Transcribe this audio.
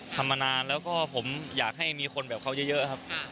มานานแล้วก็ผมอยากให้มีคนแบบเขาเยอะครับ